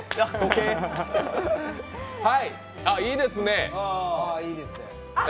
はい、いいですね。